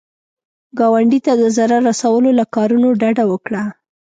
ګاونډي ته د ضرر رسولو له کارونو ډډه وکړه